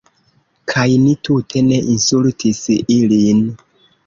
Kaj ni tute ne insultis ilin.